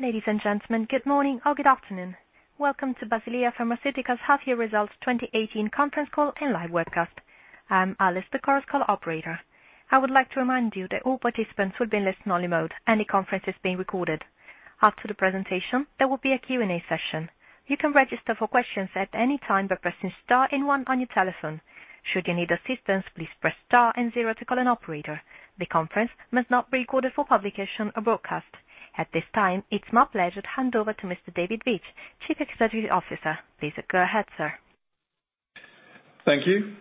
Ladies and gentlemen, good morning or good afternoon. Welcome to Basilea Pharmaceutica's Half Year Results 2018 conference call and live webcast. I'm Alice, the conference call operator. I would like to remind you that all participants will be in listen-only mode, and the conference is being recorded. After the presentation, there will be a Q&A session. You can register for questions at any time by pressing star and one on your telephone. Should you need assistance, please press star and zero to call an operator. The conference must not be recorded for publication or broadcast. At this time, it's my pleasure to hand over to Mr. David Veitch, Chief Executive Officer. Please go ahead, sir. Thank you.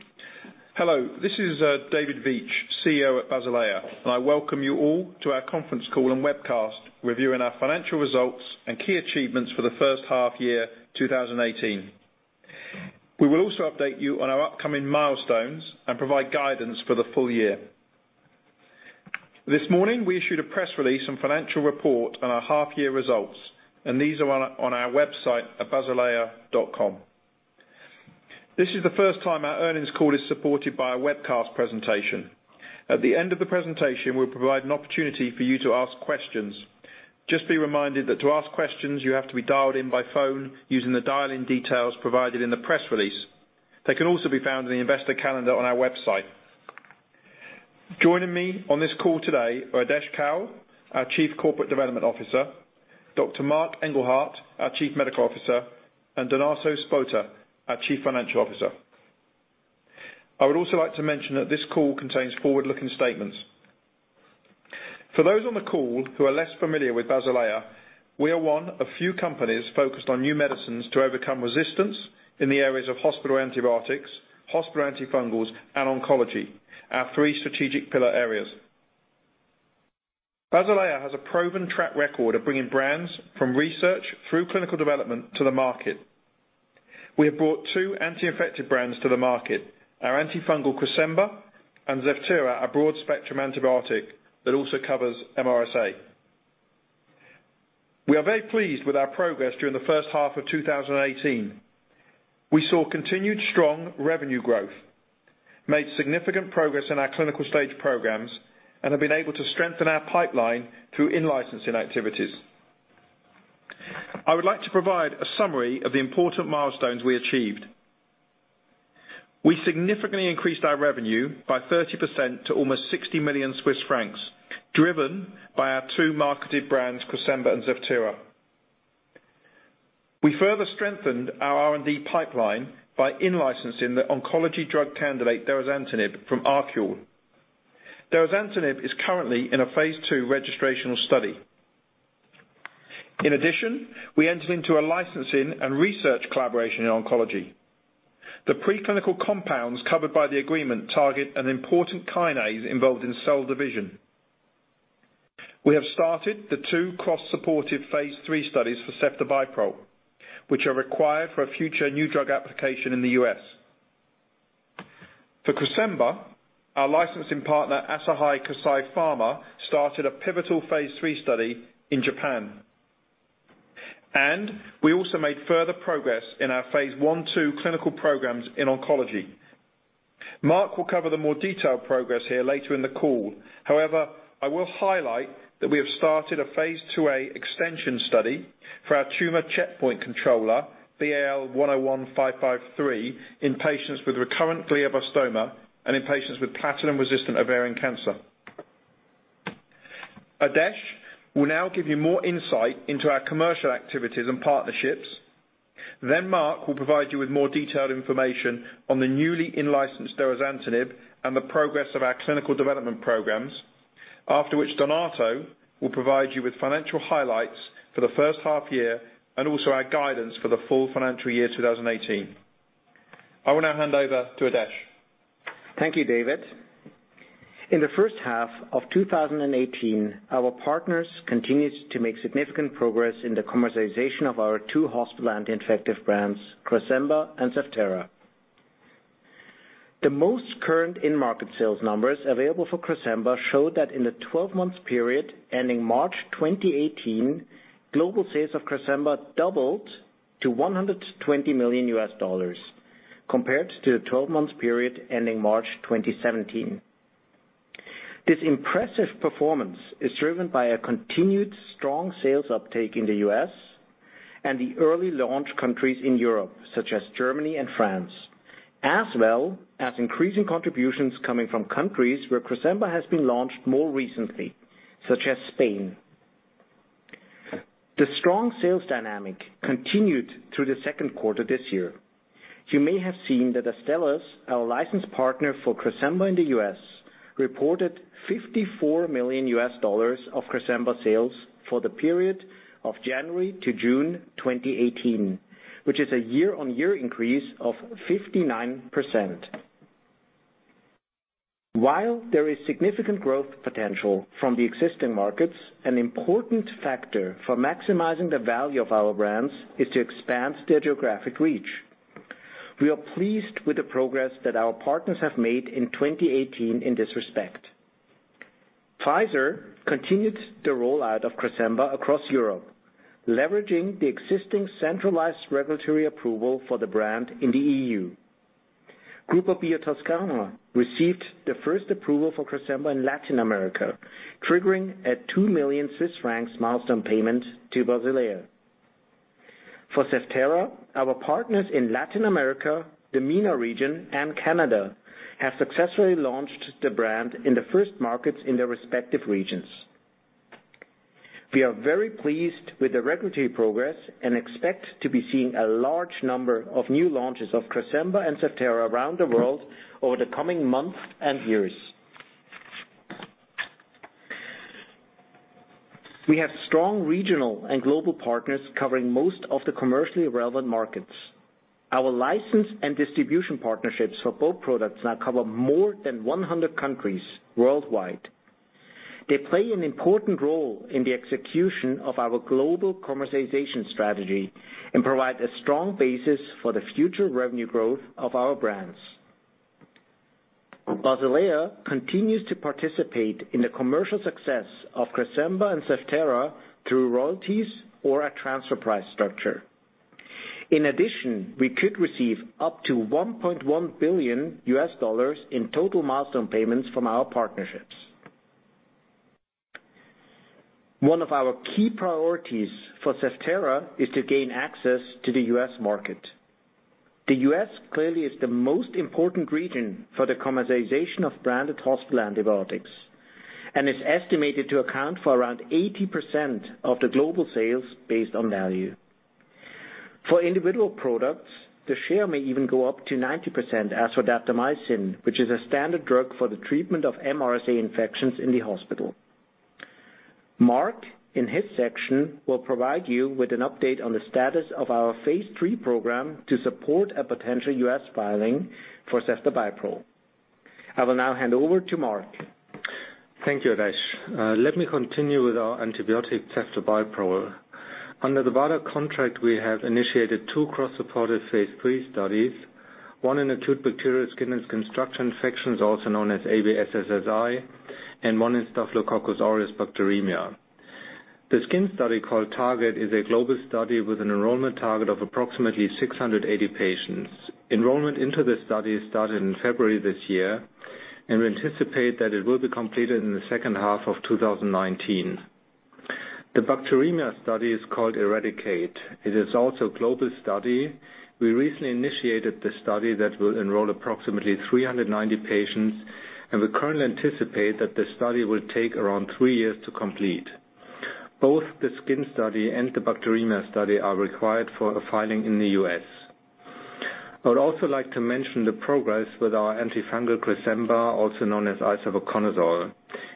Hello, this is David Veitch, CEO at Basilea. I welcome you all to our conference call and webcast reviewing our financial results and key achievements for the first half year 2018. We will also update you on our upcoming milestones and provide guidance for the full year. This morning, we issued a press release and financial report on our half year results. These are on our website at basilea.com. This is the first time our earnings call is supported by a webcast presentation. At the end of the presentation, we'll provide an opportunity for you to ask questions. Just be reminded that to ask questions, you have to be dialed in by phone using the dial-in details provided in the press release. They can also be found in the investor calendar on our website. Joining me on this call today are Adesh Kaul, our Chief Corporate Development Officer, Dr. Marc Engelhardt, our Chief Medical Officer, and Donato Spota, our Chief Financial Officer. I would also like to mention that this call contains forward-looking statements. For those on the call who are less familiar with Basilea, we are one of few companies focused on new medicines to overcome resistance in the areas of hospital antibiotics, hospital antifungals, and oncology, our three strategic pillar areas. Basilea has a proven track record of bringing brands from research through clinical development to the market. We have brought two anti-infective brands to the market, our antifungal Cresemba and Zevtera, a broad-spectrum antibiotic that also covers MRSA. We are very pleased with our progress during the first half of 2018. We saw continued strong revenue growth, made significant progress in our clinical stage programs, and have been able to strengthen our pipeline through in-licensing activities. I would like to provide a summary of the important milestones we achieved. We significantly increased our revenue by 30% to almost 60 million Swiss francs, driven by our two marketed brands, Cresemba and Zevtera. We further strengthened our R&D pipeline by in-licensing the oncology drug candidate derazantinib from ArQule. Derazantinib is currently in a phase II registrational study. In addition, we entered into a licensing and research collaboration in oncology. The pre-clinical compounds covered by the agreement target an important kinase involved in cell division. We have started the two cross-supportive phase III studies for ceftobiprole, which are required for a future New Drug Application in the U.S. For Cresemba, our licensing partner, Asahi Kasei Pharma, started a pivotal phase III study in Japan. We also made further progress in our phase I/II clinical programs in oncology. Marc will cover the more detailed progress here later in the call. However, I will highlight that we have started a phase II-A extension study for our tumor checkpoint controller, BAL101553, in patients with recurrent glioblastoma and in patients with platinum-resistant ovarian cancer. Adesh will now give you more insight into our commercial activities and partnerships. Marc will provide you with more detailed information on the newly in-licensed derazantinib and the progress of our clinical development programs. After which Donato will provide you with financial highlights for the first half year and also our guidance for the full financial year 2018. I will now hand over to Adesh. Thank you, David. In the first half of 2018, our partners continued to make significant progress in the commercialization of our two hospital anti-infective brands, Cresemba and Zevtera. The most current in-market sales numbers available for Cresemba show that in the 12 months period ending March 2018, global sales of Cresemba doubled to CHF 120 million compared to the 12 months period ending March 2017. This impressive performance is driven by a continued strong sales uptake in the U.S. and the early launch countries in Europe, such as Germany and France, as well as increasing contributions coming from countries where Cresemba has been launched more recently, such as Spain. The strong sales dynamic continued through the second quarter this year. You may have seen that Astellas, our license partner for Cresemba in the U.S., reported $54 million of Cresemba sales for the period of January to June 2018, which is a year-on-year increase of 59%. While there is significant growth potential from the existing markets, an important factor for maximizing the value of our brands is to expand their geographic reach. We are pleased with the progress that our partners have made in 2018 in this respect. Pfizer continued the rollout of Cresemba across Europe, leveraging the existing centralized regulatory approval for the brand in the EU. Grupo Biotoscana received the first approval for Cresemba in Latin America, triggering a 2 million Swiss francs milestone payment to Basilea. For Zevtera, our partners in Latin America, the MENA region, and Canada have successfully launched the brand in the first markets in their respective regions. We are very pleased with the regulatory progress and expect to be seeing a large number of new launches of Cresemba and Zevtera around the world over the coming months and years. We have strong regional and global partners covering most of the commercially relevant markets. Our license and distribution partnerships for both products now cover more than 100 countries worldwide. They play an important role in the execution of our global commercialization strategy and provide a strong basis for the future revenue growth of our brands. Basilea continues to participate in the commercial success of Cresemba and Zevtera through royalties or a transfer price structure. In addition, we could receive up to CHF 1.1 billion in total milestone payments from our partnerships. One of our key priorities for Zevtera is to gain access to the U.S. market. The U.S. clearly is the most important region for the commercialization of branded hospital antibiotics and is estimated to account for around 80% of the global sales based on value. For individual products, the share may even go up to 90% as for daptomycin, which is a standard drug for the treatment of MRSA infections in the hospital. Marc, in his section, will provide you with an update on the status of our phase III program to support a potential U.S. filing for ceftobiprole. I will now hand over to Marc. Thank you, Adesh. Let me continue with our antibiotic, ceftobiprole. Under the Vanda contract, we have initiated two cross-supported phase III studies, one in acute bacterial skin and skin structure infections, also known as ABSSSI, and one in Staphylococcus aureus bacteremia. The skin study, called TARGET, is a global study with an enrollment target of approximately 680 patients. Enrollment into this study started in February this year, and we anticipate that it will be completed in the second half of 2019. The bacteremia study is called ERADICATE. It is also a global study. We recently initiated the study that will enroll approximately 390 patients, and we currently anticipate that the study will take around three years to complete. Both the skin study and the bacteremia study are required for a filing in the U.S. I would also like to mention the progress with our antifungal Cresemba, also known as isavuconazole.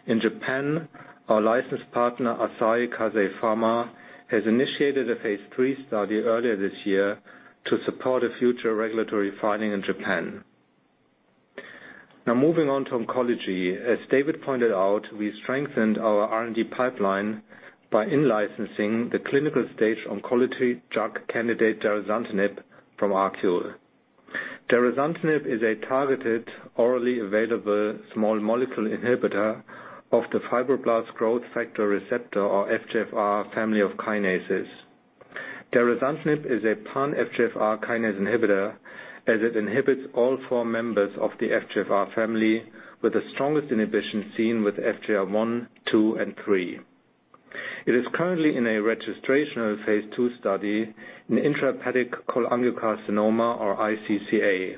In Japan, our licensed partner, Asahi Kasei Pharma, has initiated a phase III study earlier this year to support a future regulatory filing in Japan. Moving on to oncology. As David pointed out, we strengthened our R&D pipeline by in-licensing the clinical-stage oncology drug candidate, derazantinib, from ArQule. Derazantinib is a targeted, orally available, small molecule inhibitor of the fibroblast growth factor receptor, or FGFR, family of kinases. Derazantinib is a pan-FGFR kinase inhibitor, as it inhibits all four members of the FGFR family, with the strongest inhibition seen with FGFR 1, 2, and 3. It is currently in a registrational phase II study in intrahepatic cholangiocarcinoma, or iCCA.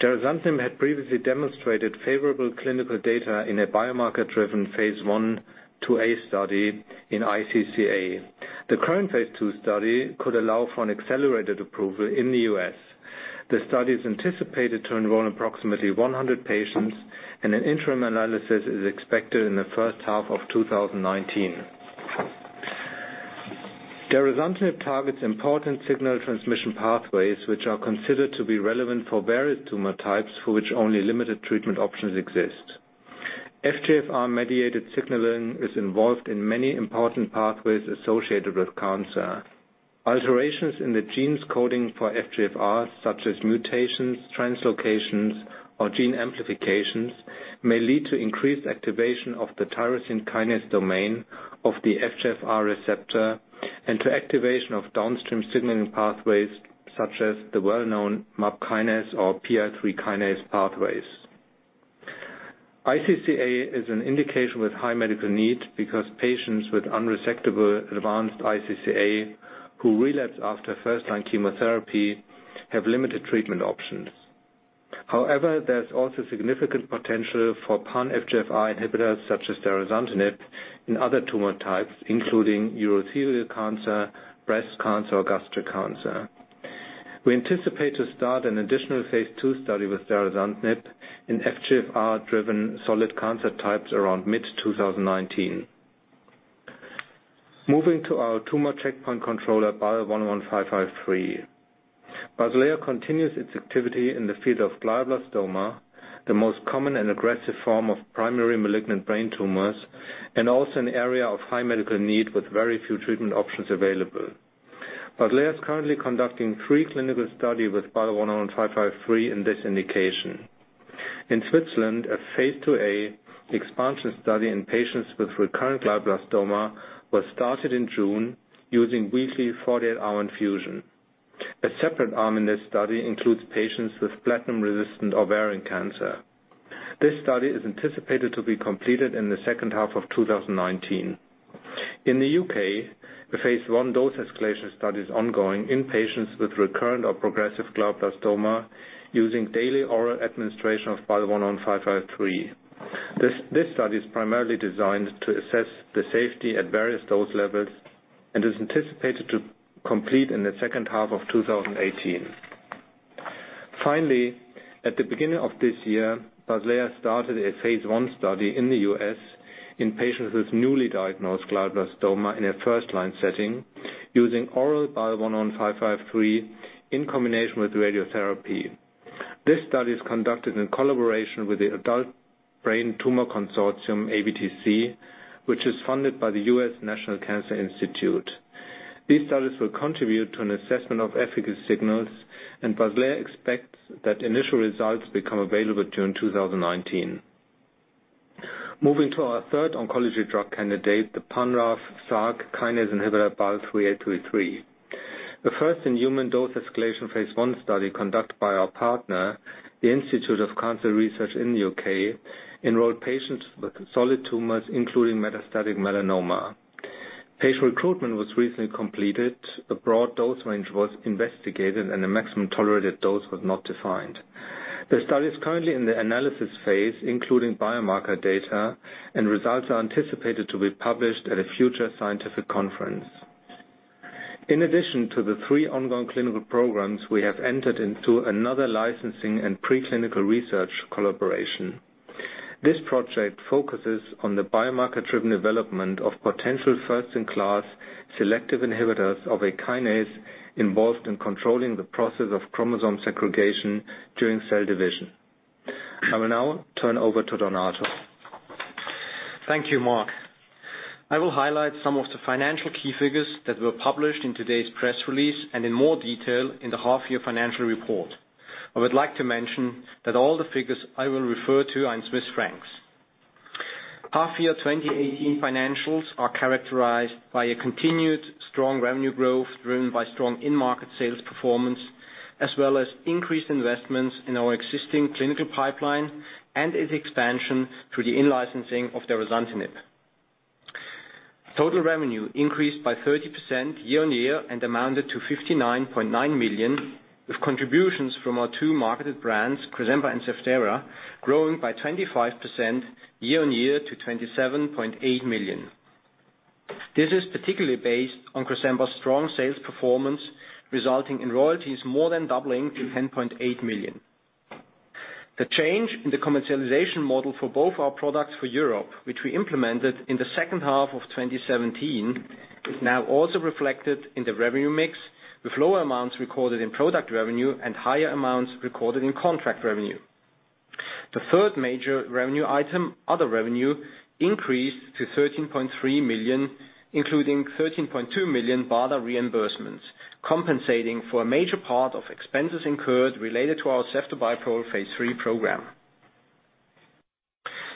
Derazantinib had previously demonstrated favorable clinical data in a biomarker-driven phase I-IIA study in iCCA. The current phase II study could allow for an accelerated approval in the U.S. The study is anticipated to enroll approximately 100 patients, and an interim analysis is expected in the first half of 2019. Derazantinib targets important signal transmission pathways, which are considered to be relevant for various tumor types for which only limited treatment options exist. FGFR-mediated signaling is involved in many important pathways associated with cancer. Alterations in the genes coding for FGFR, such as mutations, translocations, or gene amplifications, may lead to increased activation of the tyrosine kinase domain of the FGFR receptor and to activation of downstream signaling pathways, such as the well-known MAP kinase or PI3 kinase pathways. iCCA is an indication with high medical need because patients with unresectable advanced iCCA who relapse after first-line chemotherapy have limited treatment options. There's also significant potential for pan-FGFR inhibitors such as derazantinib in other tumor types, including urothelial cancer, breast cancer, or gastric cancer. We anticipate to start an additional phase II study with derazantinib in FGFR-driven solid cancer types around mid-2019. Moving to our tumor checkpoint controller, BAL101553. Basilea continues its activity in the field of glioblastoma, the most common and aggressive form of primary malignant brain tumors, and also an area of high medical need with very few treatment options available. Basilea is currently conducting three clinical studies with BAL101553 in this indication. In Switzerland, a phase IIa expansion study in patients with recurrent glioblastoma was started in June using weekly 48-hour infusion. A separate arm in this study includes patients with platinum-resistant ovarian cancer. This study is anticipated to be completed in the second half of 2019. In the U.K., the phase I dose-escalation study is ongoing in patients with recurrent or progressive glioblastoma using daily oral administration of BAL101553. This study is primarily designed to assess the safety at various dose levels and is anticipated to complete in the second half of 2018. Finally, at the beginning of this year, Basilea started a phase I study in the U.S. in patients with newly diagnosed glioblastoma in a first-line setting using oral BAL101553 in combination with radiotherapy. This study is conducted in collaboration with the Adult Brain Tumor Consortium, ABTC, which is funded by the U.S. National Cancer Institute. These studies will contribute to an assessment of efficacy signals, and Basilea expects that initial results become available June 2019. Moving to our third oncology drug candidate, the pan-RAF/SRC kinase inhibitor, BAL3833. The first in human dose-escalation phase I study conducted by our partner, The Institute of Cancer Research in the U.K., enrolled patients with solid tumors, including metastatic melanoma. Patient recruitment was recently completed. A broad dose range was investigated, and the maximum tolerated dose was not defined. The study is currently in the analysis phase, including biomarker data, and results are anticipated to be published at a future scientific conference. In addition to the three ongoing clinical programs, we have entered into another licensing and preclinical research collaboration. This project focuses on the biomarker-driven development of potential first-in-class selective inhibitors of a kinase involved in controlling the process of chromosome segregation during cell division. I will now turn over to Donato. Thank you, Marc. I will highlight some of the financial key figures that were published in today's press release and in more detail in the half-year financial report. I would like to mention that all the figures I will refer to are in CHF. Half-year 2018 financials are characterized by a continued strong revenue growth driven by strong in-market sales performance, as well as increased investments in our existing clinical pipeline and its expansion through the in-licensing of derazantinib. Total revenue increased by 30% year-over-year and amounted to 59.9 million, with contributions from our two marketed brands, Cresemba and Zevtera, growing by 25% year-over-year to 27.8 million. This is particularly based on Cresemba's strong sales performance, resulting in royalties more than doubling to 10.8 million. The change in the commercialization model for both our products for Europe, which we implemented in the second half of 2017, is now also reflected in the revenue mix, with lower amounts recorded in product revenue and higher amounts recorded in contract revenue. The third major revenue item, other revenue, increased to 13.3 million, including 13.2 million BARDA reimbursements, compensating for a major part of expenses incurred related to our ceftobiprole phase III program.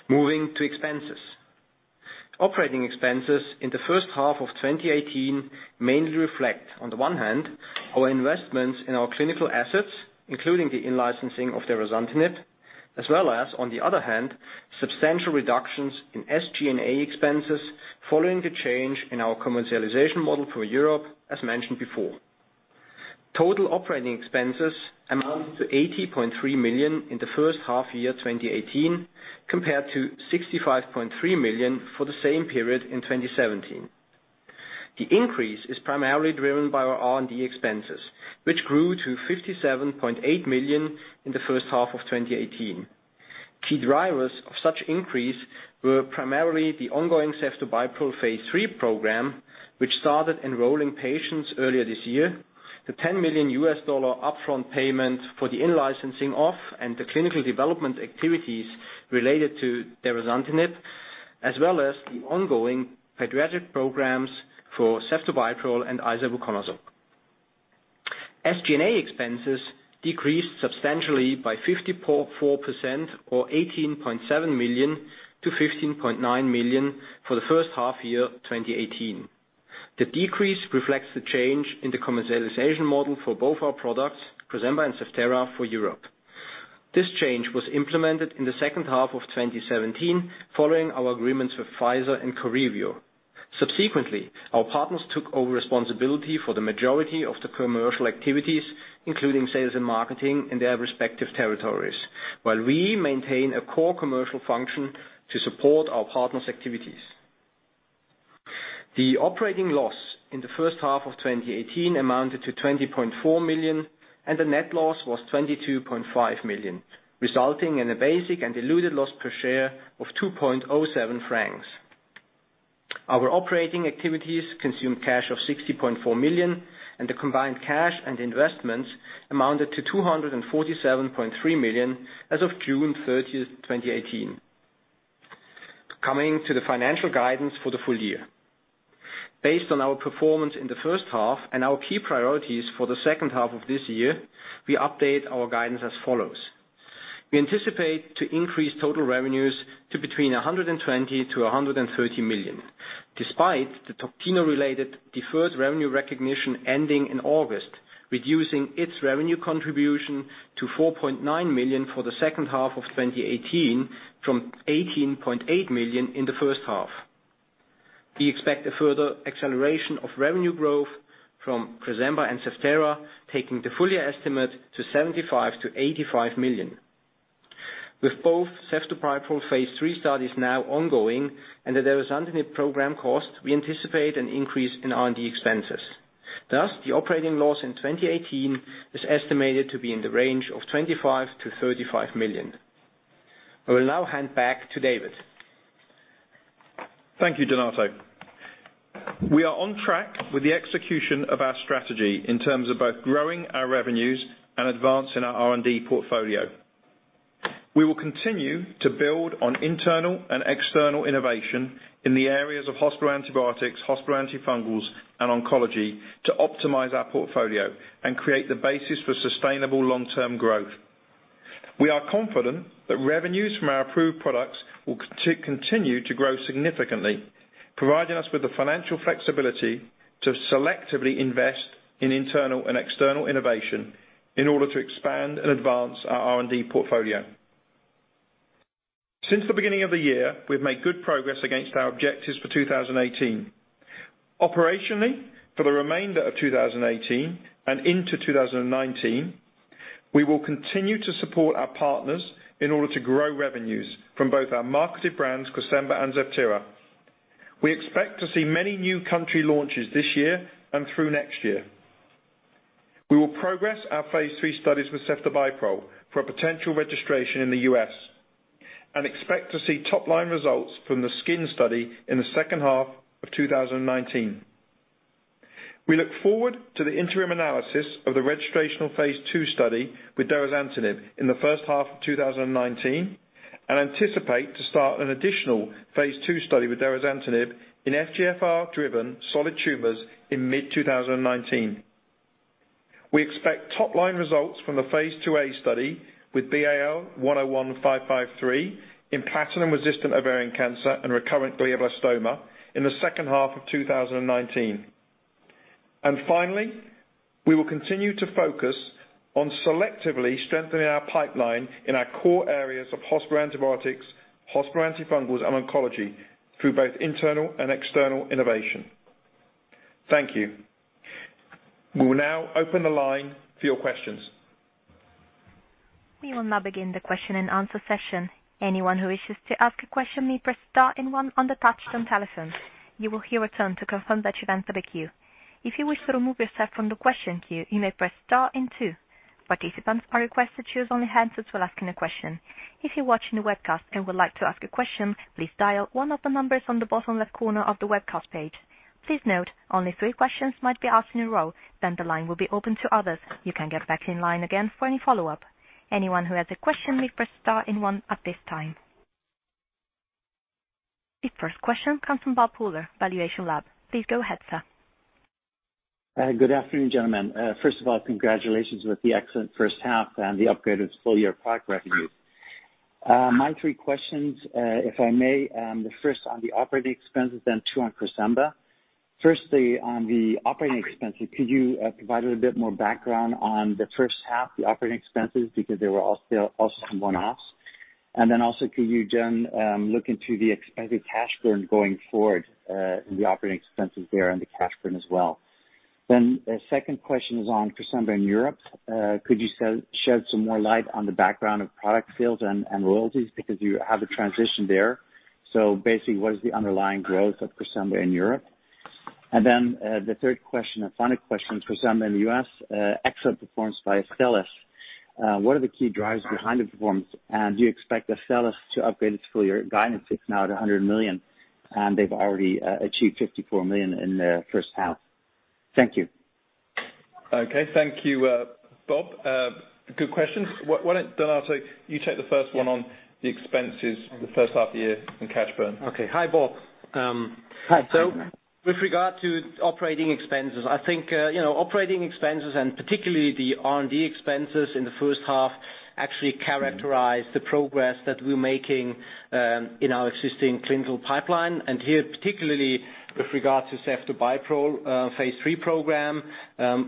Moving to expenses. Operating expenses in the first half of 2018 mainly reflect, on the one hand, our investments in our clinical assets, including the in-licensing of derazantinib, as well as, on the other hand, substantial reductions in SG&A expenses following the change in our commercialization model for Europe, as mentioned before. Total operating expenses amounted to 80.3 million in the first half year 2018, compared to 65.3 million for the same period in 2017. The increase is primarily driven by our R&D expenses, which grew to 57.8 million in the first half of 2018. Key drivers of such increase were primarily the ongoing ceftobiprole phase III program, which started enrolling patients earlier this year. The $10 million US upfront payment for the in-licensing of, and the clinical development activities related to derazantinib, as well as the ongoing pediatric programs for ceftobiprole and isavuconazole. SG&A expenses decreased substantially by 54% or 18.7 million to 15.9 million for the first half year 2018. The decrease reflects the change in the commercialization model for both our products, Cresemba and Zevtera, for Europe. This change was implemented in the second half of 2017 following our agreements with Pfizer and Correvio. Subsequently, our partners took over responsibility for the majority of the commercial activities, including sales and marketing in their respective territories, while we maintain a core commercial function to support our partners' activities. The operating loss in the first half of 2018 amounted to 20.4 million, and the net loss was 22.5 million, resulting in a basic and diluted loss per share of 2.07 francs. Our operating activities consumed cash of 60.4 million, and the combined cash and investments amounted to 247.3 million as of June 30th, 2018. Coming to the financial guidance for the full year. Based on our performance in the first half and our key priorities for the second half of this year, we update our guidance as follows. We anticipate to increase total revenues to between 120 million to 130 million, despite the Toctino-related deferred revenue recognition ending in August, reducing its revenue contribution to 4.9 million for the second half of 2018 from 18.8 million in the first half. We expect a further acceleration of revenue growth from Cresemba and Zevtera, taking the full year estimate to 75 million to 85 million. With both ceftobiprole phase III studies now ongoing and the derazantinib program costs, we anticipate an increase in R&D expenses. Thus, the operating loss in 2018 is estimated to be in the range of 25 million to 35 million. I will now hand back to David. Thank you, Donato. We are on track with the execution of our strategy in terms of both growing our revenues and advancing our R&D portfolio. We will continue to build on internal and external innovation in the areas of hospital antibiotics, hospital antifungals, and oncology to optimize our portfolio and create the basis for sustainable long-term growth. We are confident that revenues from our approved products will continue to grow significantly, providing us with the financial flexibility to selectively invest in internal and external innovation in order to expand and advance our R&D portfolio. Since the beginning of the year, we've made good progress against our objectives for 2018. Operationally, for the remainder of 2018 and into 2019, we will continue to support our partners in order to grow revenues from both our marketed brands, Cresemba and Zevtera. We expect to see many new country launches this year and through next year. We will progress our phase III studies with ceftobiprole for a potential registration in the U.S., and expect to see top-line results from the skin study in the second half of 2019. We look forward to the interim analysis of the registrational phase II study with derazantinib in the first half of 2019 and anticipate to start an additional phase II study with derazantinib in FGFR-driven solid tumors in mid-2019. We expect top-line results from the phase II-A study with BAL101553 in platinum-resistant ovarian cancer and recurrent glioblastoma in the second half of 2019. Finally, we will continue to focus on selectively strengthening our pipeline in our core areas of hospital antibiotics, hospital antifungals, and oncology through both internal and external innovation. Thank you. We will now open the line for your questions. We will now begin the question and answer session. Anyone who wishes to ask a question may press star 1 on the touch-tone telephone. You will hear a tone to confirm that you've entered the queue. If you wish to remove yourself from the question queue, you may press star 2. Participants are requested to use only hands to ask a question. If you're watching the webcast and would like to ask a question, please dial one of the numbers on the bottom left corner of the webcast page. Please note only three questions might be asked in a row, then the line will be open to others. You can get back in line again for any follow-up. Anyone who has a question may press star 1 at this time. The first question comes from Bob Pooler, Valuation Lab. Please go ahead, sir. Good afternoon, gentlemen. First of all, congratulations with the excellent first half and the upgraded full-year product revenues. My three questions, if I may, the first on the operating expenses, then two on Cresemba. Firstly, on the operating expenses, could you provide a bit more background on the first half, the operating expenses, because there were also some one-offs. Also could you look into the expected cash burn going forward, the operating expenses there and the cash burn as well. The second question is on Cresemba in Europe. Could you shed some more light on the background of product sales and royalties because you have a transition there. Basically, what is the underlying growth of Cresemba in Europe? The third question and final question, Cresemba in the U.S., excellent performance by Astellas. What are the key drivers behind the performance? Do you expect Astellas to upgrade its full-year guidance? It is now at 100 million, and they have already achieved 54 million in their first half. Thank you. Okay. Thank you, Bob. Good questions. Donato, you take the first one on the expenses for the first half of the year and cash burn. Okay. Hi, Bob. Hi, Donato. With regard to operating expenses, I think operating expenses and particularly the R&D expenses in the first half actually characterize the progress that we're making in our existing clinical pipeline, and here, particularly with regard to ceftobiprole phase III program.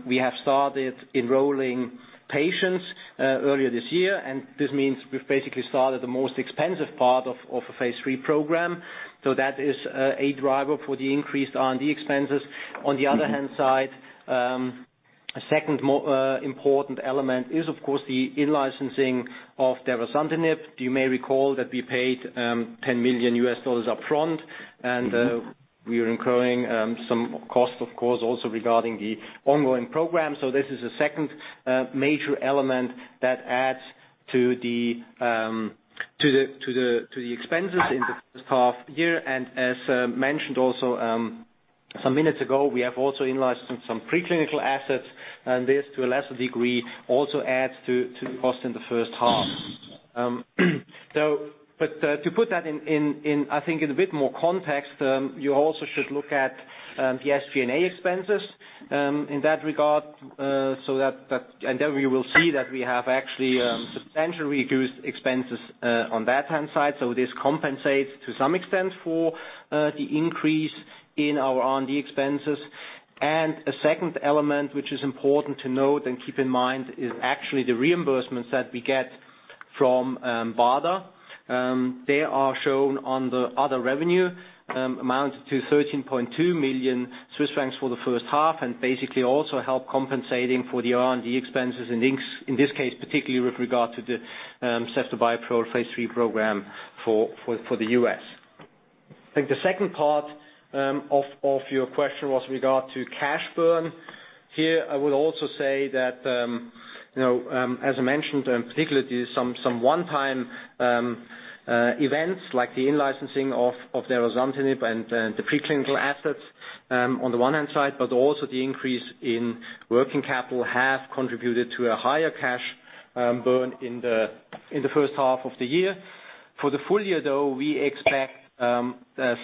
We have started enrolling patients earlier this year, and this means we've basically started the most expensive part of a phase III program. That is a driver for the increased R&D expenses. On the other hand side, a second more important element is, of course, the in-licensing of derazantinib. You may recall that we paid $10 million U.S. upfront, and we are incurring some cost, of course, also regarding the ongoing program. This is a second major element that adds to the expenses in the first half of the year, and as mentioned also some minutes ago, we have also in-licensed some preclinical assets, and this, to a lesser degree, also adds to the cost in the first half. To put that, I think, in a bit more context, you also should look at the SG&A expenses in that regard, and then we will see that we have actually substantially reduced expenses on that hand side. This compensates to some extent for the increase in our R&D expenses. A second element which is important to note and keep in mind is actually the reimbursements that we get from BARDA. They are shown on the other revenue, amount to 13.2 million Swiss francs for the first half, and basically also help compensating for the R&D expenses, in this case, particularly with regard to the ceftobiprole phase III program for the U.S. I think the second part of your question was with regard to cash burn. Here, I would also say that, as I mentioned, in particular, some one-time events like the in-licensing of Darolutinib and the preclinical assets, on the one hand side, but also the increase in working capital have contributed to a higher cash burn in the first half of the year. For the full year, though, we expect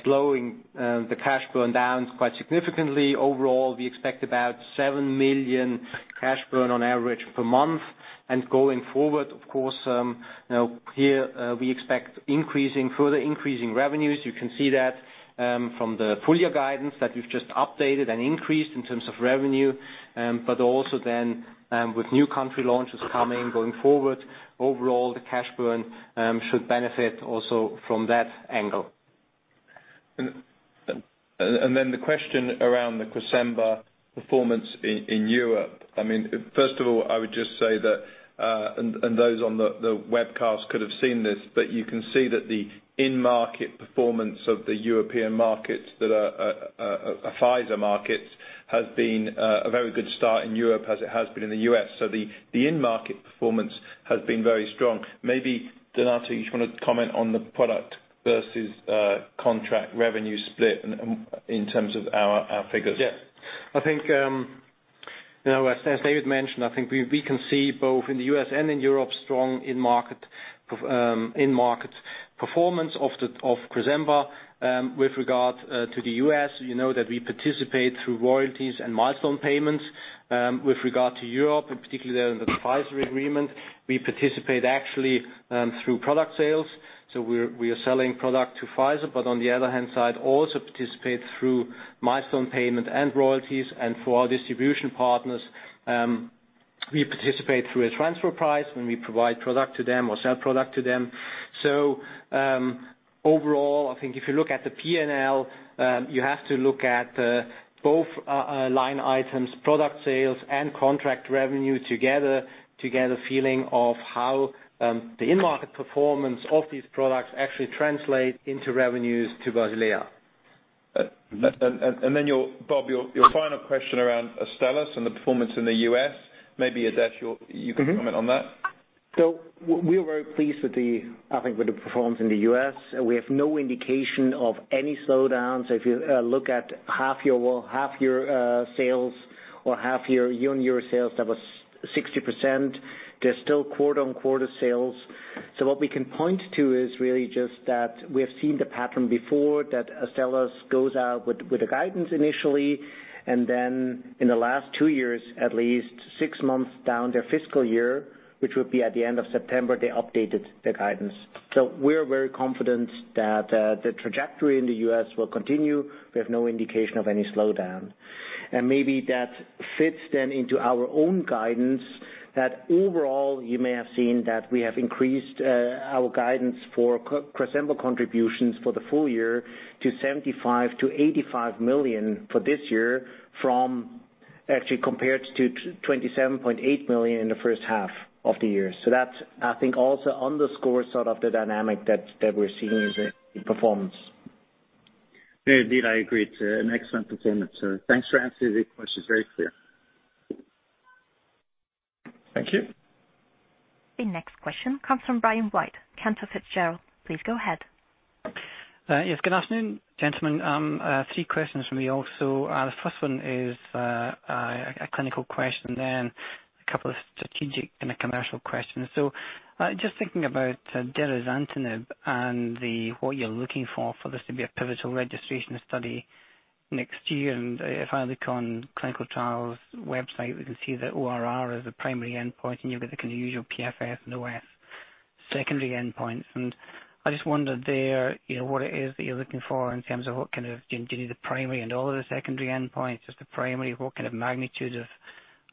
slowing the cash burn down quite significantly. Overall, we expect about 7 million cash burn on average per month. Going forward, of course, here we expect further increasing revenues. You can see that from the full year guidance that we've just updated and increased in terms of revenue. Also then with new country launches coming, going forward, overall, the cash burn should benefit also from that angle. The question around the Cresemba performance in Europe. First of all, I would just say that, and those on the webcast could have seen this, but you can see that the in-market performance of the European markets that are Pfizer markets has been a very good start in Europe as it has been in the U.S. The in-market performance has been very strong. Maybe, Donato, you just want to comment on the product versus contract revenue split in terms of our figures. Yeah. As David mentioned, I think we can see both in the U.S. and in Europe, strong in-market performance of Cresemba. With regard to the U.S., you know that we participate through royalties and milestone payments. With regard to Europe, and particularly there in the Pfizer agreement, we participate actually through product sales. We are selling product to Pfizer, but on the other hand side also participate through milestone payment and royalties. For our distribution partners, we participate through a transfer price when we provide product to them or sell product to them. Overall, I think if you look at the P&L, you have to look at both line items, product sales and contract revenue together to get a feeling of how the in-market performance of these products actually translate into revenues to Basilea. Bob, your final question around Astellas and the performance in the U.S. Maybe, Adesh, you can comment on that. We are very pleased with, I think with the performance in the U.S. We have no indication of any slowdown. If you look at half-year-on-year sales, that was 60%. There's still quarter-on-quarter sales. What we can point to is really just that we have seen the pattern before, that Astellas goes out with a guidance initially, and then in the last two years, at least six months down their fiscal year, which would be at the end of September, they updated the guidance. We are very confident that the trajectory in the U.S. will continue. We have no indication of any slowdown. Maybe that fits then into our own guidance that overall, you may have seen that we have increased our guidance for Cresemba contributions for the full year to 75 million to 85 million for this year from compared to 27.8 million in the first half of the year. That, I think also underscores sort of the dynamic that we're seeing in performance. Indeed, I agree. It's an excellent performance. Thanks for answering the questions. Very clear. Thank you. The next question comes from Brian White, Cantor Fitzgerald. Please go ahead. Yes, good afternoon, gentlemen. Three questions from me also. The first one is a clinical question, a couple of strategic and a commercial question. Just thinking about derazantinib and what you're looking for this to be a pivotal registration study next year. If I look on clinical trials website, we can see that ORR is a primary endpoint, and you've got the kind of usual PFS and OS secondary endpoints. I just wondered there, what it is that you're looking for in terms of what kind of, do you do the primary and all of the secondary endpoints? Just the primary, what kind of magnitude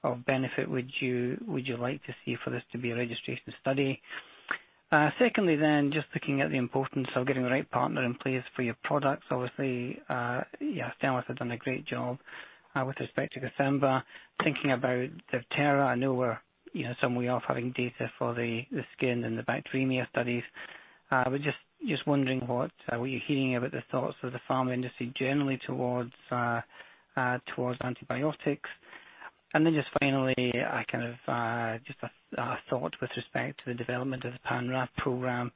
of benefit would you like to see for this to be a registration study? Secondly, just looking at the importance of getting the right partner in place for your products. Obviously, Astellas have done a great job with respect to Cresemba. Thinking about Zevtera, I know we're some way off having data for the skin and the bacteremia studies. I was just wondering what you're hearing about the thoughts of the pharma industry generally towards antibiotics. Just finally, just a thought with respect to the development of the pan-RAF program.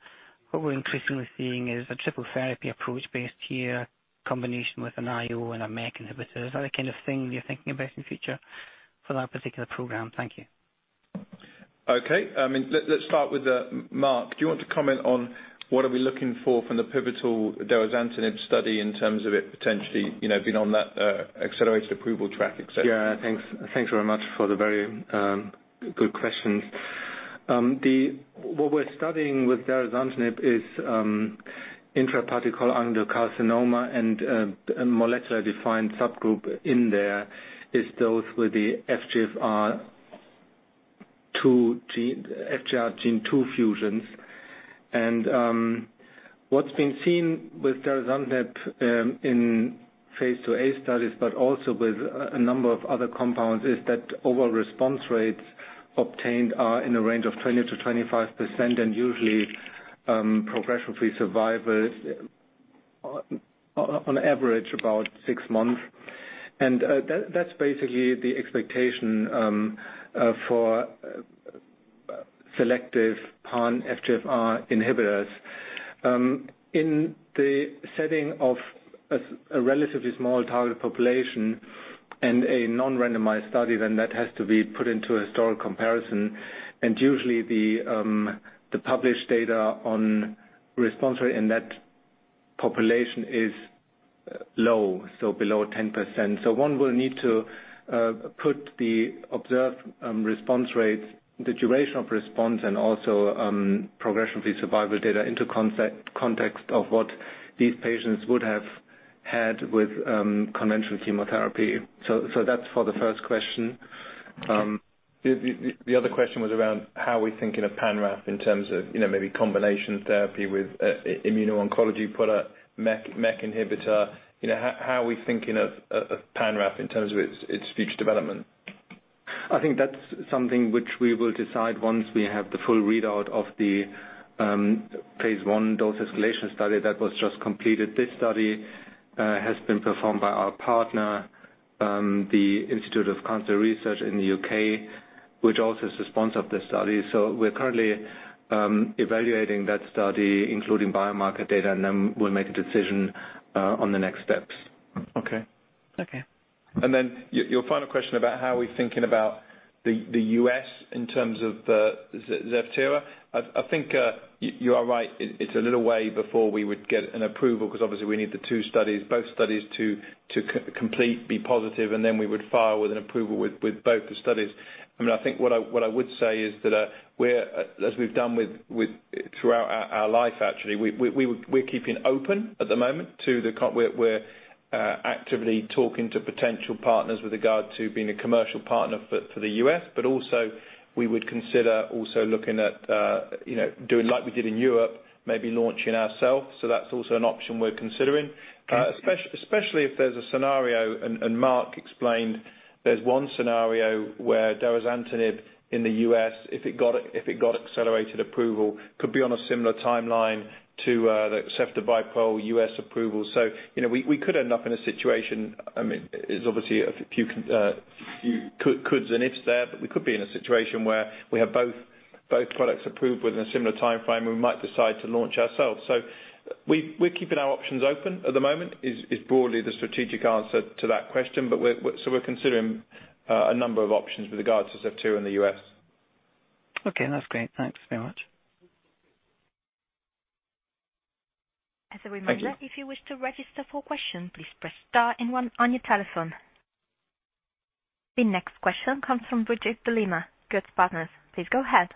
What we're increasingly seeing is a triple therapy approach, Basilea, combination with an IO and a MEK inhibitor. Is that a kind of thing you're thinking about in the future for that particular program? Thank you. Okay. Let's start with Marc. Do you want to comment on what are we looking for from the pivotal derazantinib study in terms of it potentially being on that accelerated approval track, et cetera? Yeah. Thanks very much for the very good questions. What we're studying with derazantinib is intrahepatic cholangiocarcinoma and a molecular-defined subgroup in there is those with the FGFR gene two fusions. What's been seen with derazantinib in phase II-A studies, but also with a number of other compounds, is that overall response rates obtained are in the range of 20%-25%, and usually, progression-free survival is on average about six months. That's basically the expectation for selective pan-FGFR inhibitors. In the setting of a relatively small target population and a non-randomized study, that has to be put into a historic comparison. Usually, the published data on response rate in that population is low, so below 10%. One will need to put the observed response rates, the duration of response, and also progression-free survival data into context of what these patients would have had with conventional chemotherapy. That's for the first question. The other question was around how we think in a pan-RAF in terms of maybe combination therapy with immuno-oncology product, MEK inhibitor. How are we thinking of pan-RAF in terms of its future development? I think that's something which we will decide once we have the full readout of the phase I dose-escalation study that was just completed. This study has been performed by our partner, The Institute of Cancer Research in the U.K., which also is the sponsor of this study. We're currently evaluating that study, including biomarker data, and then we'll make a decision on the next steps. Okay. Okay. Your final question about how we're thinking about the U.S. in terms of the Zevtera. I think you are right. It's a little way before we would get an approval, because obviously we need the two studies, both studies to complete, be positive, and then we would file with an approval with both the studies. I think what I would say is that as we've done throughout our life, actually, we're keeping open at the moment. We're actively talking to potential partners with regard to being a commercial partner for the U.S. We would consider also looking at doing like we did in Europe, maybe launching ourselves. That's also an option we're considering. Thank you. Especially if there's a scenario, Marc explained there's one scenario where derazantinib in the U.S., if it got accelerated approval, could be on a similar timeline to the ceftobiprole U.S. approval. We could end up in a situation, it's obviously a few coulds and ifs there, but we could be in a situation where we have both products approved within a similar timeframe, and we might decide to launch ourselves. We're keeping our options open at the moment, is broadly the strategic answer to that question. We're considering a number of options with regards to Zevtera in the U.S. Okay, that's great. Thanks very much. Thank you. As a reminder, if you wish to register for question, please press star and one on your telephone. The next question comes from Brigitte De Lima, goetzpartners. Please go ahead.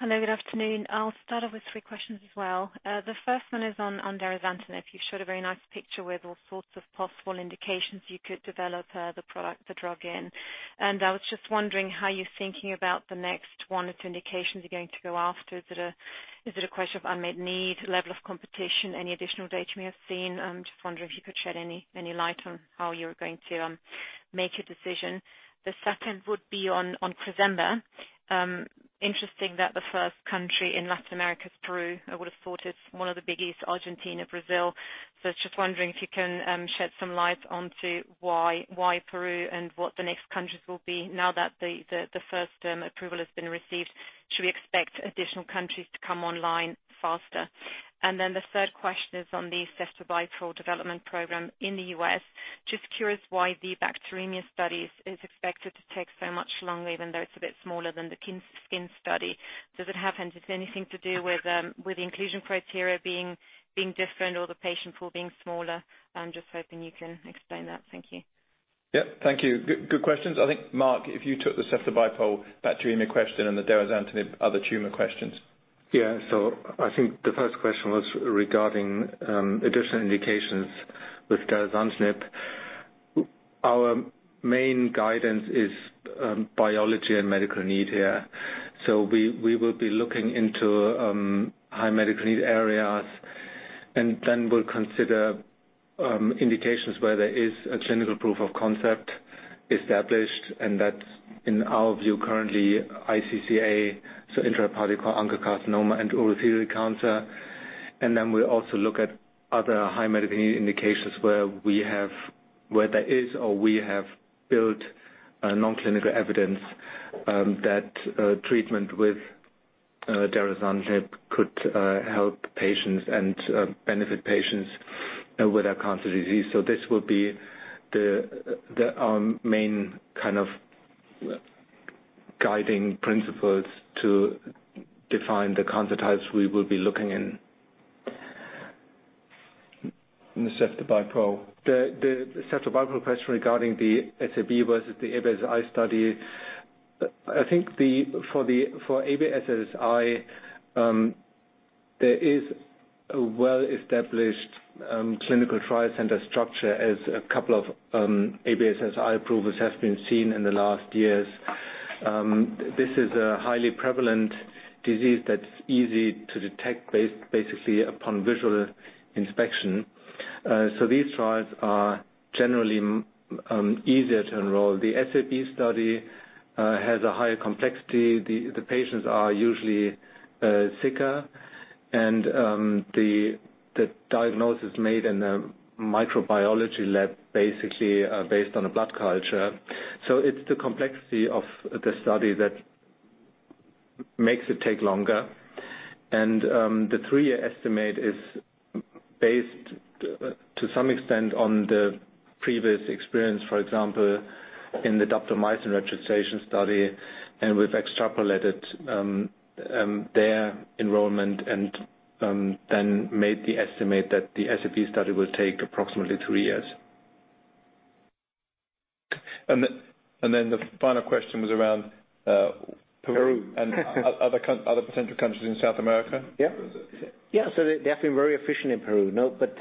Hello, good afternoon. I'll start off with three questions as well. The first one is on derazantinib. I was just wondering how you're thinking about the next one or two indications you could develop the product, the drug in. Is it a question of unmet need, level of competition, any additional data you may have seen? I'm just wondering if you could shed any light on how you're going to make a decision. The second would be on Zevtera. Interesting that the first country in Latin America is Peru. I would have thought it's one of the biggies, Argentina, Brazil. Just wondering if you can shed some light onto why Peru and what the next countries will be now that the first approval has been received. Should we expect additional countries to come online faster? The third question is on the ceftobiprole development program in the U.S. Just curious why the bacteremia studies is expected to take so much longer, even though it's a bit smaller than the skin study. Does it have anything to do with the inclusion criteria being different or the patient pool being smaller? I'm just hoping you can explain that. Thank you. Yep. Thank you. Good questions. I think, Marc, if you took the ceftobiprole bacteremia question and the derazantinib other tumor questions. I think the first question was regarding additional indications with derazantinib. Our main guidance is biology and medical need here. We will be looking into high medical need areas. Then we'll consider indications where there is a clinical proof of concept established, and that's, in our view currently, iCCA, so intrahepatic cholangiocarcinoma and urothelial cancer. Then we also look at other high medical need indications where there is or we have built a non-clinical evidence that treatment with derazantinib could help patients and benefit patients with a cancer disease. This will be our main kind of guiding principles to define the cancer types we will be looking in. The ceftobiprole. The ceftobiprole question regarding the SAB versus the ABSSSI study, I think for ABSSSI, there is a well-established clinical trial center structure as a couple of ABSSSI approvals have been seen in the last years. This is a highly prevalent disease that's easy to detect upon visual inspection. These trials are generally easier to enroll. The SAB study has a higher complexity. The patients are usually sicker, and the diagnosis made in a microbiology lab based on a blood culture. It's the complexity of the study that makes it take longer, and the 3-year estimate is based, to some extent, on the previous experience, for example, in the daptomycin registration study. We've extrapolated their enrollment then made the estimate that the SAB study will take approximately 3 years. The final question was around Peru. Peru. Other potential countries in South America. Yeah. They have been very efficient in Peru, but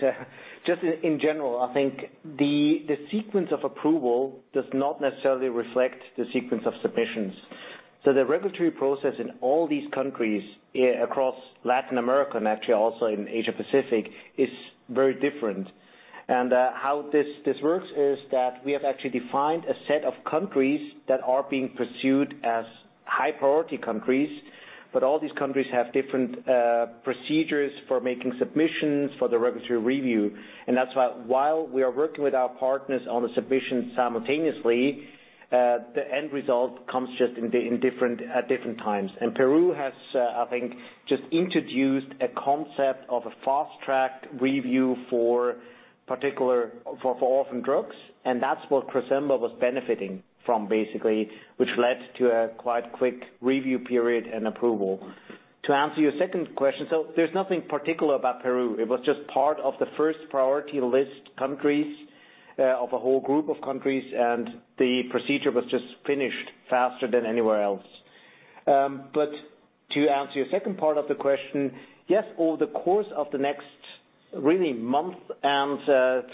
just in general, I think the sequence of approval does not necessarily reflect the sequence of submissions. The regulatory process in all these countries across Latin America, and actually also in Asia Pacific, is very different. How this works is that we have actually defined a set of countries that are being pursued as high-priority countries, but all these countries have different procedures for making submissions for the regulatory review. That's why while we are working with our partners on a submission simultaneously, the end result comes just at different times. Peru has, I think, just introduced a concept of a fast-track review for orphan drugs, and that's what Cresemba was benefiting from, basically, which led to a quite quick review period and approval. To answer your second question, there's nothing particular about Peru. It was just part of the first priority list countries of a whole group of countries, and the procedure was just finished faster than anywhere else. To answer your second part of the question, yes, over the course of the next really month and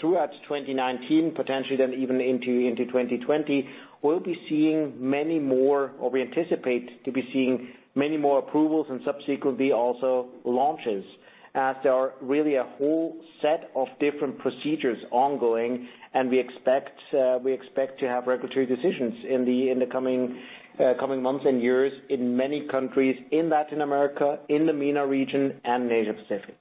throughout 2019, potentially even into 2020, we'll be seeing many more, or we anticipate to be seeing many more approvals and subsequently also launches, as there are really a whole set of different procedures ongoing, and we expect to have regulatory decisions in the coming months and years in many countries in Latin America, in the MENA region, and Asia Pacific.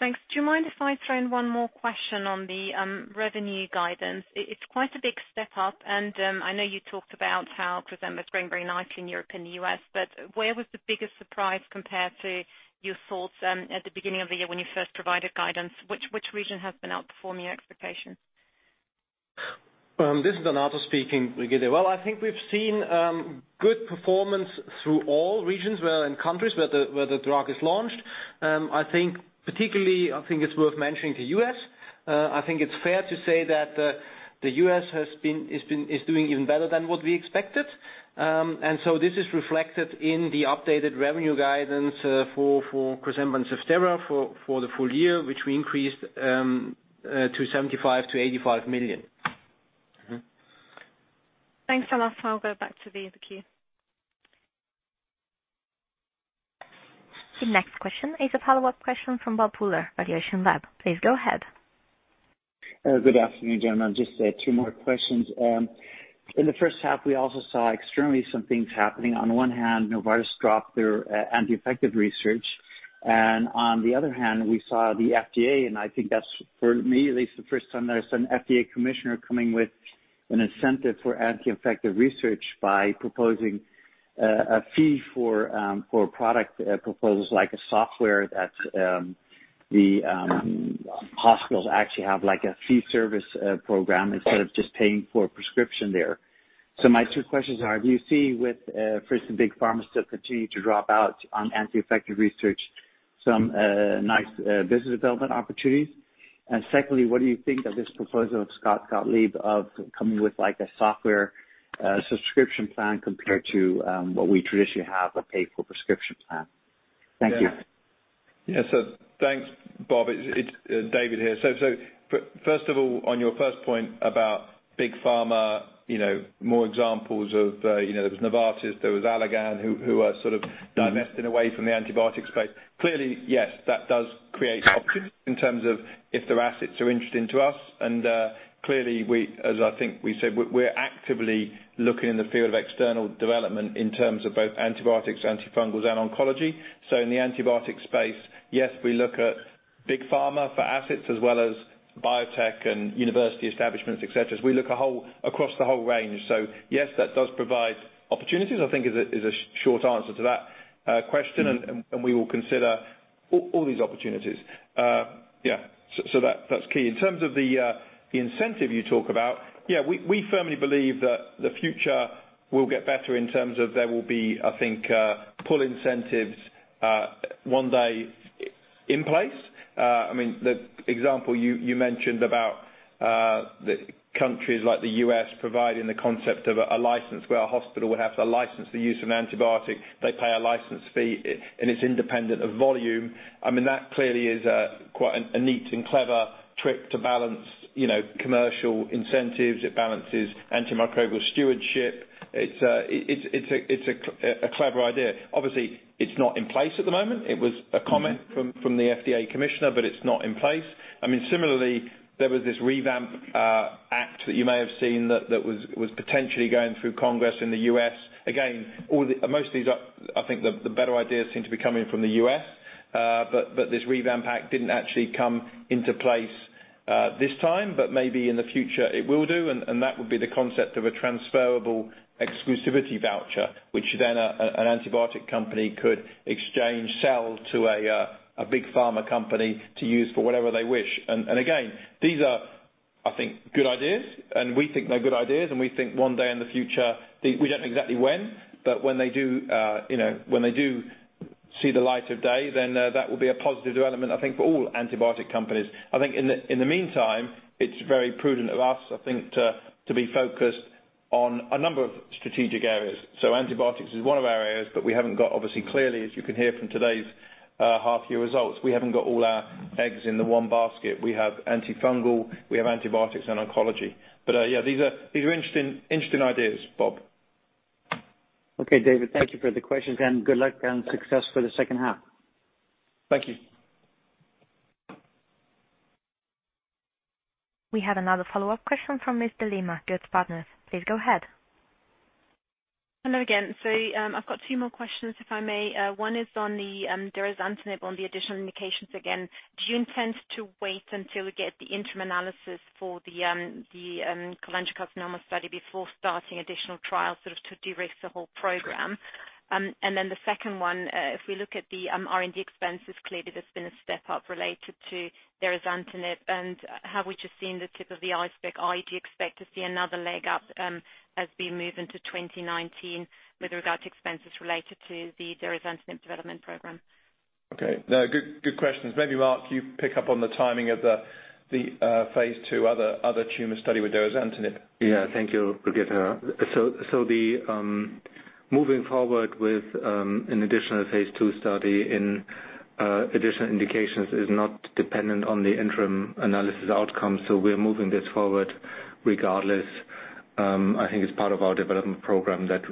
Thanks. Do you mind if I throw in one more question on the revenue guidance? It's quite a big step up, and I know you talked about how Cresemba's growing very nicely in Europe and the U.S., but where was the biggest surprise compared to your thoughts at the beginning of the year when you first provided guidance? Which region has been outperforming your expectations? This is Donato speaking, Brigitte. Well, I think we've seen good performance through all regions where, and countries where the drug is launched. Particularly, I think it's worth mentioning the U.S. I think it's fair to say that the U.S. is doing even better than what we expected. This is reflected in the updated revenue guidance for Cresemba and Zevtera for the full year, which we increased to 75 million-85 million. Mm-hmm. Thanks, Donato. I'll go back to the queue. The next question is a follow-up question from Bob Pooler, Valuation Lab. Please go ahead. Good afternoon, gentlemen. Just two more questions. In the first half, we also saw extremely some things happening. On one hand, Novartis dropped their anti-infective research, on the other hand, we saw the FDA, I think that's, for me at least, the first time that I saw an FDA commissioner coming with an incentive for anti-infective research by proposing a fee for a product proposal like a software that the hospitals actually have like a fee service program instead of just paying for a prescription there. My two questions are, do you see with, first the big pharma still continue to drop out on anti-infective research, some nice business development opportunities? Secondly, what do you think of this proposal of Scott Gottlieb of coming with a software subscription plan compared to what we traditionally have, a pay-for-prescription plan? Thank you. Thanks, Bob. It's David here. First of all, on your first point about big pharma, more examples of, there was Novartis, there was Allergan, who are sort of divesting away from the antibiotic space. Clearly, yes, that does create options in terms of if their assets are interesting to us, and clearly, as I think we said, we're actively looking in the field of external development in terms of both antibiotics, antifungals, and oncology. In the antibiotic space, yes, we look at big pharma for assets as well as biotech and university establishments, et cetera. We look across the whole range. Yes, that does provide opportunities, I think is a short answer to that question, and we will consider all these opportunities. That's key. In terms of the incentive you talk about, we firmly believe that the future will get better in terms of there will be, I think, pull incentives one day in place. The example you mentioned about countries like the U.S. providing the concept of a license where a hospital would have to license the use of an antibiotic, they pay a license fee, and it's independent of volume. That clearly is quite a neat and clever trick to balance commercial incentives. It balances antimicrobial stewardship. It's a clever idea. Obviously, it's not in place at the moment. It was a comment from the FDA commissioner, but it's not in place. Similarly, there was this REVAMP Act that you may have seen that was potentially going through Congress in the U.S. Again, most of these, I think, the better ideas seem to be coming from the U.S., but this REVAMP Act didn't actually come into place this time, but maybe in the future it will do, and that would be the concept of a transferable exclusivity voucher, which then an antibiotic company could exchange, sell to a big pharma company to use for whatever they wish. Again, these are, I think, good ideas, and we think they're good ideas, and we think one day in the future, we don't know exactly when, but when they do see the light of day, then that will be a positive development, I think, for all antibiotic companies. I think in the meantime, it's very prudent of us, I think, to be focused on a number of strategic areas. Antibiotics is one of our areas, but we haven't got, obviously, clearly, as you can hear from today's half year results, we haven't got all our eggs in the one basket. We have antifungal, we have antibiotics, and oncology. These are interesting ideas, Bob. Okay, David. Thank you for the questions, and good luck and success for the second half. Thank you. We have another follow-up question from Miss De Lima, goetzpartners. Please go ahead. Hello again. I've got two more questions, if I may. One is on the derazantinib on the additional indications again. Do you intend to wait until we get the interim analysis for the cholangiocarcinoma study before starting additional trials, sort of to de-risk the whole program? The second one, if we look at the R&D expenses, clearly there's been a step-up related to derazantinib, and have we just seen the tip of the iceberg? Or do you expect to see another leg up as we move into 2019 with regard to expenses related to the derazantinib development program? Okay. Good questions. Maybe, Marc, you pick up on the timing of the phase II other tumor study with derazantinib. Yeah. Thank you, Brigitte. The moving forward with an additional phase II study in additional indications is not dependent on the interim analysis outcome. We're moving this forward regardless. I think it's part of our development program that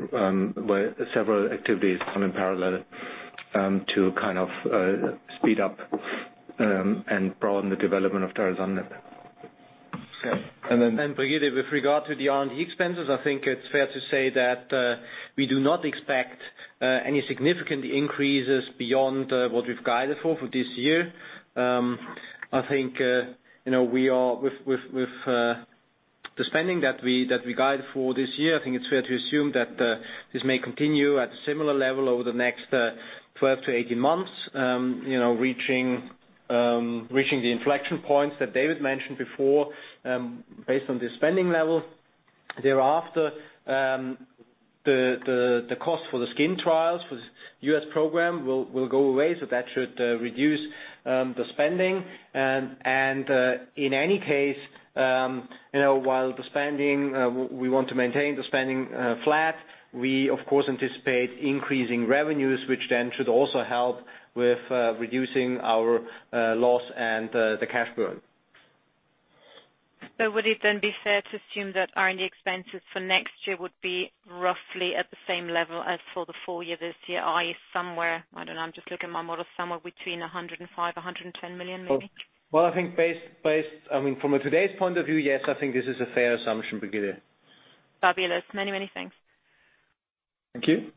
several activities run in parallel to kind of speed up and promote the development of derazantinib. Yeah. Brigitte, with regard to the R&D expenses, I think it's fair to say that we do not expect any significant increases beyond what we've guided for for this year. I think with the spending that we guide for this year, I think it's fair to assume that this may continue at a similar level over the next 12 to 18 months, reaching the inflection points that David mentioned before, based on the spending level. Thereafter, the cost for the skin trials for the U.S. program will go away, that should reduce the spending. In any case, while the spending, we want to maintain the spending flat, we of course anticipate increasing revenues, which should also help with reducing our loss and the cash burn. Would it then be fair to assume that R&D expenses for next year would be roughly at the same level as for the full year this year, i.e. somewhere, I don't know, I'm just looking at my model, somewhere between 105 million, 110 million, maybe? Well, I think from today's point of view, yes, I think this is a fair assumption, Brigitte. Fabulous. Many thanks. Thank you.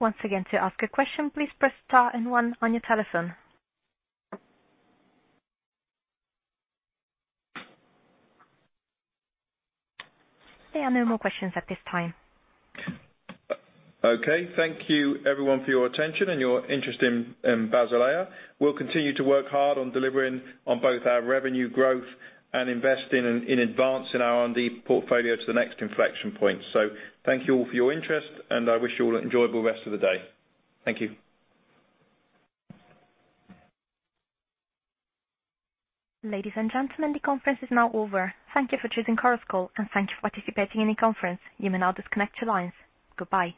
Once again, to ask a question, please press star and one on your telephone. There are no more questions at this time. Okay. Thank you everyone for your attention and your interest in Basilea. We'll continue to work hard on delivering on both our revenue growth and investing in advancing our R&D portfolio to the next inflection point. Thank you all for your interest, and I wish you all an enjoyable rest of the day. Thank you. Ladies and gentlemen, the conference is now over. Thank you for choosing Chorus Call, and thank you for participating in the conference. You may now disconnect your lines. Goodbye.